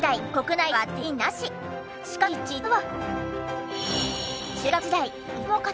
しかし実は。